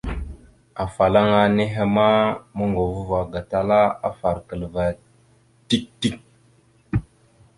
Afalaŋa nehe ma moŋgov ava gatala afarəkal ava dik dik.